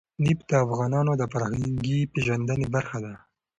نفت د افغانانو د فرهنګي پیژندنې برخه ده.